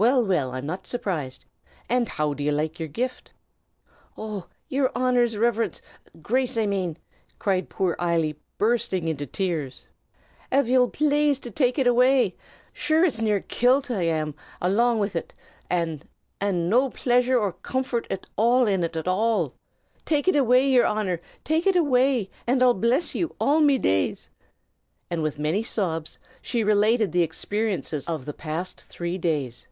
Well, well, I'm not surprised! And how do ye like yer gift?" "Oh, yer Honor's Riverence Grace, I mane!" cried poor Eily, bursting into tears, "av ye'll plaze to take it away! Sure it's nearly kilt I am along av it, an' no plazure or coomfort in ut at all at all! Take it away, yer Honor, take it away, and I'll bliss ye all me days!" and, with many sobs, she related the experiences of the past three days.